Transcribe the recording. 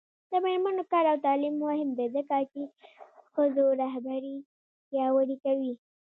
د میرمنو کار او تعلیم مهم دی ځکه چې ښځو رهبري پیاوړې کوي.